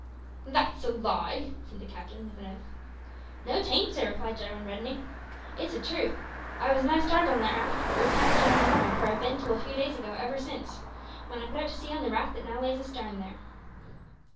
"That's a lie," said the captain, with an oath. "No, 'taint, sir," replied Jarwin, reddening, "it's a truth. I was nigh starved on that raft, but was cast on an island where I've bin till a few days ago ever since, when I put to sea on the raft that now lays a starn there."